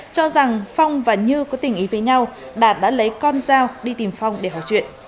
cho rằng phong và như có tình ý với nhau đạt đã lấy con dao đi tìm phong để hỏi chuyện